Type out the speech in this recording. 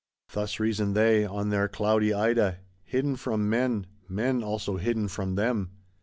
Thus reason they: on their cloudy Ida; hidden from men,—men also hidden from them.